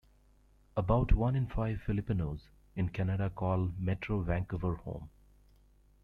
About one in five Filipinos in Canada call Metro Vancouver home.